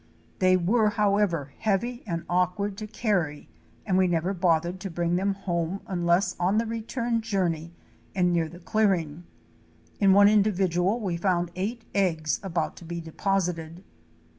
They were, however, heavy and awkward to carry and we never bothered to bring them home unless on the return journey and near the clearing. In one individual we found eight eggs about to be deposited.